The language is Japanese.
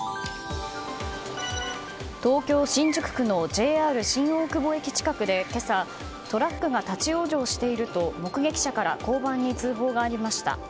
東京・新宿区のＪＲ新大久保駅近くで今朝トラックが立ち往生していると目撃者から交番に通報がありました。